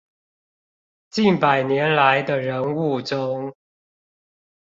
近百年來的人物中